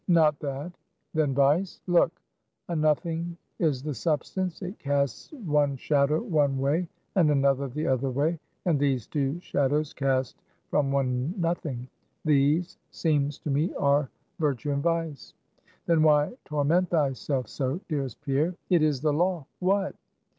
"Not that!" "Then Vice?" "Look: a nothing is the substance, it casts one shadow one way, and another the other way; and these two shadows cast from one nothing; these, seems to me, are Virtue and Vice." "Then why torment thyself so, dearest Pierre?" "It is the law." "What?"